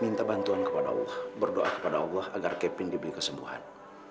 minta bantuan kepada allah berdoa kepada allah agar kevin diberi kesembuhan